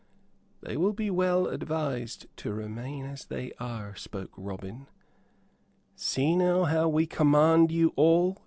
"They will be well advised to remain as they are," spoke Robin. "See now how we command you all!"